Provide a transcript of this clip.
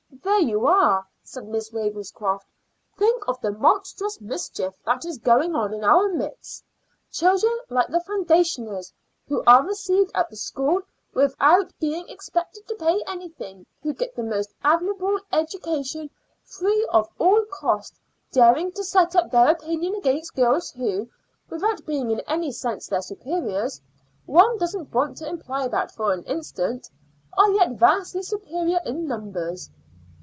"There you are!" said Miss Ravenscroft. "Think of the monstrous mischief that is going on in our midst. Children like the foundationers, who are received at the school without being expected to pay anything, who get the most admirable education free of all cost, daring to set up their opinion against girls who, without being in any sense their superiors one doesn't want to imply that for an instant are yet vastly superior in numbers.